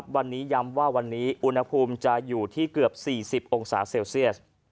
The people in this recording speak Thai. วันนี้ย้ำว่าวันนี้อุณหภูมิจะอยู่ที่เกือบ๔๐องศาเซลเซียส